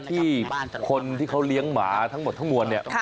ที่คนที่เขาเลี้ยงหมาทั้งหมดทั้งมวลเนี่ย